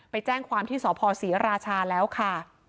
ไปแจ้งความที่สพศรีราชาแล้วค่ะ